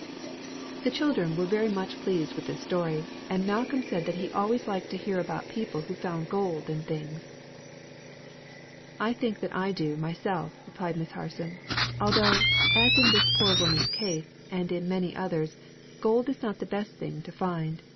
The children were very much pleased with this story, and Malcolm said that he always liked to hear about people who found gold and things. "I think that I do, myself," replied Miss Harson, "although, as in this poor woman's case and in many others, gold is not the best thing to find.